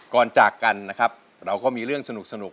ก่อนจากกันเราก็มีเรื่องสนุก